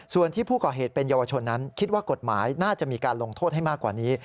ส่วนที่ผู้ก่อเหตุเป็นเยาวชนนั้นคิดว่ากฎหมายน่าจะมีการลงโทษให้มากกว่านี้